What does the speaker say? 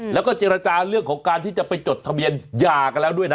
แล้วก็เจรจาเรื่องของการที่จะไปจดทะเบียนหย่ากันแล้วด้วยนะ